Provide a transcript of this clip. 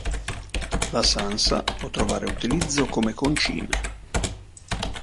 La sansa può trovare utilizzo come concime.